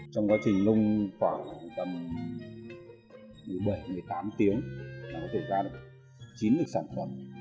trong quá trình nung khoảng tầm một mươi bảy một mươi tám tiếng nó có thể ra được chín mươi sản phẩm